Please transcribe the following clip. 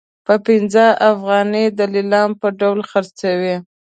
په پنځه افغانۍ د لیلام په ډول خرڅوي.